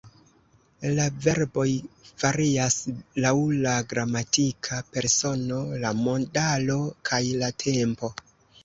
La verboj varias laŭ la gramatika persono, la modalo kaj la tempo.